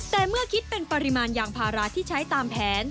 แต่เมื่อคิดเป็นปริมาณยางพาราที่ใช้ตามแผน